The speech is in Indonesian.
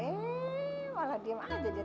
eh malah diem aja deh